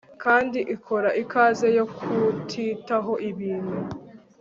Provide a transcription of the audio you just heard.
Kandi ikora ikaze yo kutitaho ibintu